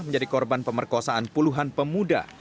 menjadi korban pemerkosaan puluhan pemuda